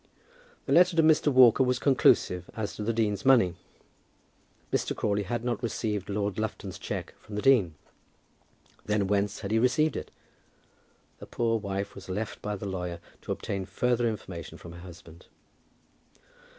The letter to Mr. Walker was conclusive as to the dean's money. Mr. Crawley had not received Lord Lufton's cheque from the dean. Then whence had he received it? The poor wife was left by the lawyer to obtain further information from her husband.